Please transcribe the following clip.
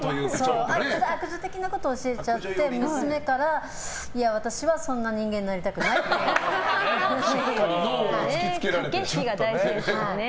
悪女的なことを教えちゃって娘から私はそんな人間になりたくないって言われました。